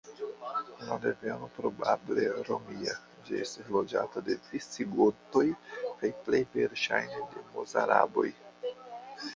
De deveno probable romia, ĝi estis loĝata de visigotoj kaj plej verŝajne de mozaraboj.